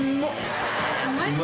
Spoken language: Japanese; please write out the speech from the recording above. うまい？